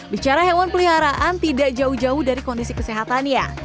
bicara hewan peliharaan tidak jauh jauh dari kondisi kesehatannya